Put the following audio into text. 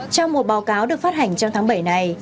trong một báo cáo được phát hành trong tháng bảy này